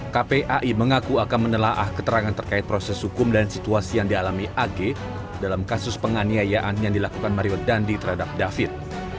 kpai mengaku akan menelaah keterangan terkait proses hukum dan situasi yang dialami ag dalam kasus penganiayaan yang dilakukan mario dandi terhadap david